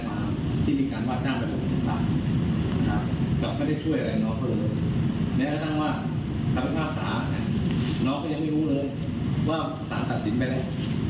เนี่ยก็ต้องว่าถ้าเป็นภาพศาสตร์น้องก็ยังไม่รู้เลยว่าศาสตร์ตัดสินไปแล้ว